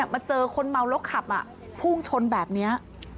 มาเจอคนเมาแล้วขับพุ่งชนแบบนี้